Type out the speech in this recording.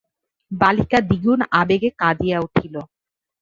বালিকা দ্বিগুণ আবেগে কাঁদিয়া উঠিল।